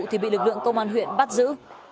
thì bị lực lượng công an huyện bắt giữ